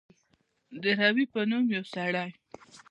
د روي په نوم یو سړی.